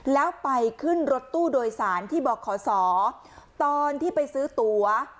แล้วไปขึ้นรถตู้โดยสารที่บอกขอสอตอนที่ไปซื้อตั๋ว